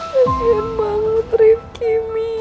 kasian banget riff kimi